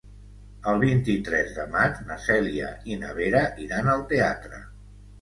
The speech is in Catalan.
El vint-i-tres de maig na Cèlia i na Vera iran al teatre.